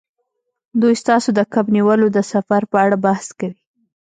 دوی ستاسو د کب نیولو د سفر په اړه بحث کوي